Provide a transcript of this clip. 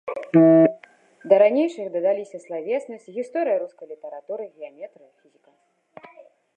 Да ранейшых дадаліся славеснасць, гісторыя рускай літаратуры, геаметрыя, фізіка.